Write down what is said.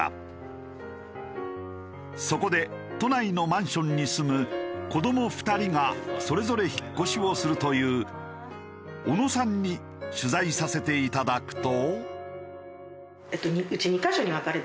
そこで都内のマンションに住む子ども２人がそれぞれ引っ越しをするという小野さんに取材させていただくと。